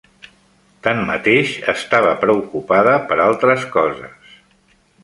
Tanmateix, estava preocupada per altres coses.